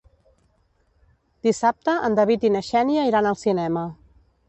Dissabte en David i na Xènia iran al cinema.